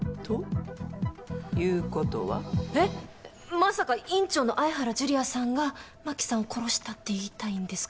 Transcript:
まさか院長の愛原樹里亜さんが真紀さんを殺したって言いたいんですか？